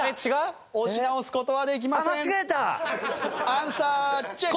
アンサーチェック！